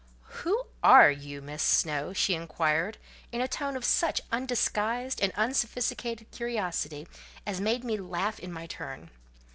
"Who are you, Miss Snowe?" she inquired, in a tone of such undisguised and unsophisticated curiosity, as made me laugh in my turn.